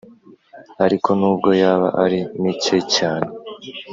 ariko n’ubwo yaba ari mike cyane.